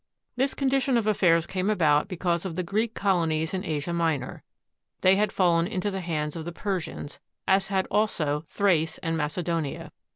This condition of affairs came about because of the Greek colonies in Asia Minor. They had fallen into the hands of the Persians, as had also Thrace and Macedonia.